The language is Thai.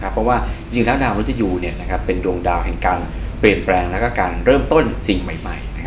เพราะว่าจริงแล้วดาวรุทยูเป็นดวงดาวแห่งการเปลี่ยนแปลงและการเริ่มต้นสิ่งใหม่